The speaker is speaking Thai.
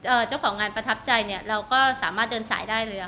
เจ้าของงานประทับใจเนี่ยเราก็สามารถเดินสายได้เลยค่ะ